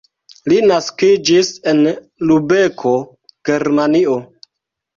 Li naskiĝis en Lubeko, Germanio.